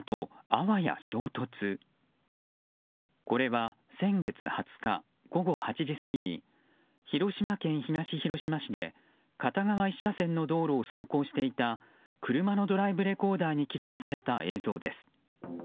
これは先月２０日午後８時過ぎに広島県東広島市で片側１車線の道路を走行していた車のドライブレコーダーに記録された映像です。